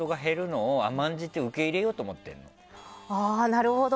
なるほど。